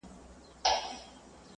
زه مړۍ خوړلي ده.